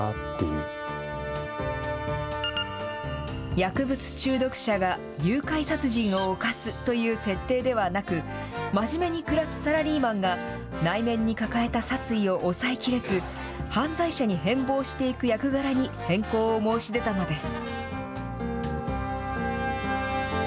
薬物中毒者が誘拐殺人を犯すという設定ではなく、真面目に暮らすサラリーマンが、内面に抱えた殺意を抑えきれず、犯罪者に変貌していく役柄に変更を申し出たのです。